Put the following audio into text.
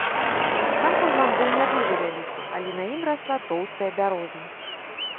Сам курган быў не дужа вялікі, але на ім расла тоўстая бяроза.